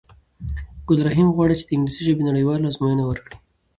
ګل رحیم غواړی چې د انګلیسی ژبی نړېواله آزموینه ورکړی